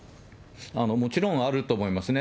もちろんあると思いますね。